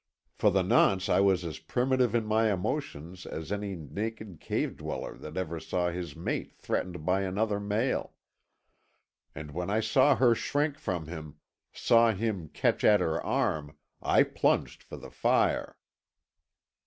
For the nonce I was as primitive in my emotions as any naked cave dweller that ever saw his mate threatened by another male. And when I saw her shrink from him, saw him catch at her arm, I plunged for the fire.